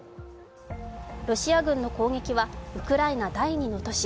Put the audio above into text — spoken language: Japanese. ロシア軍の攻撃はウクライナ第２の都市